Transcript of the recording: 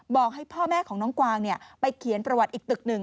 บอกให้พ่อแม่ของน้องกวางไปเขียนประวัติอีกตึกหนึ่ง